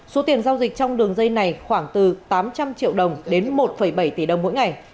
số tiền giao dịch trong đường dây này khoảng từ tám trăm linh triệu đồng đến một bảy tỷ đồng mỗi ngày